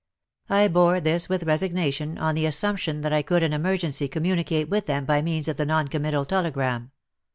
/ bore this with resignation, on the assumption that I could in emergency com municate with them by means of the non committal telegram.